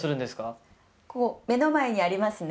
目の前にありますね。